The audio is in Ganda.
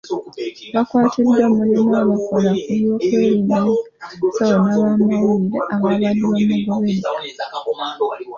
Abakwatiddwa mulimu abakola ku by'okwerinda bye, abasawo n'abamawulire ababadde bamugoberera.